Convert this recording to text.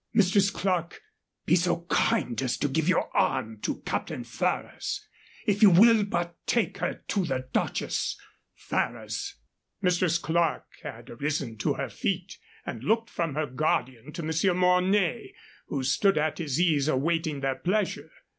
"Mistress Clerke, be so kind as to give your arm to Captain Ferrers. If you will but take her to the Duchess, Ferrers " Mistress Clerke had arisen to her feet and looked from her guardian to Monsieur Mornay, who stood at his ease, awaiting their pleasure.